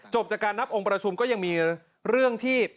จากการนับองค์ประชุมก็ยังมีเรื่องที่